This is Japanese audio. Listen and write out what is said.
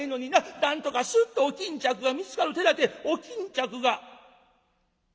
なんとかスッとお巾着が見つかる手だてお巾着が。